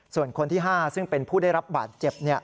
ส่วนคนที่๕ซึ่งเป็นผู้ได้รับบาดเจ็บ